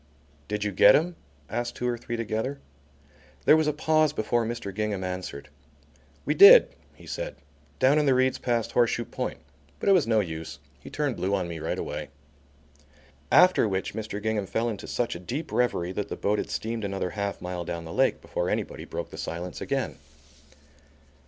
"Did you get him?" asked two or three together. There was a pause before Mr. Gingham answered. "We did," he said, "down in the reeds past Horseshoe Point. But it was no use. He turned blue on me right away." After which Mr. Gingham fell into such a deep reverie that the boat had steamed another half mile down the lake before anybody broke the silence again.